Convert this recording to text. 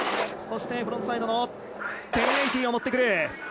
そしてフロントサイドの１０８０をもってくる。